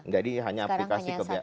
jadi hanya aplikasi kebiayaan